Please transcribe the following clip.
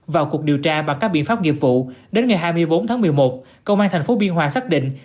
vào cuộc điều tra bằng các biện pháp nghiệp vụ đến ngày hai mươi bốn tháng một mươi một công an tp biên hòa xác định